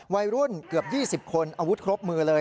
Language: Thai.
วัยรุ่นเกือบ๒๐คนอาวุธครบมือเลย